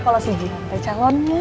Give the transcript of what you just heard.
kalau si jihan teh calonnya